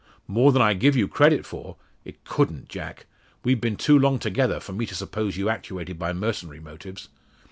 "More than I give you credit for! It couldn't, Jack. We've been too long together for me to suppose you actuated by mercenary motives.